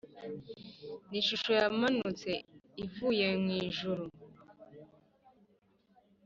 n ishusho yamanutse ivuye mu ijuru